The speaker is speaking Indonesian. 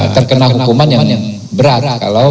terkena hukuman yang berat